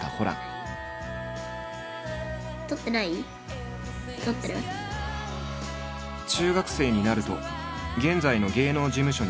中学生になると現在の芸能事務所に所属。